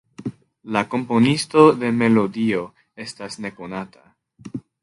La komponisto de melodio estas nekonata.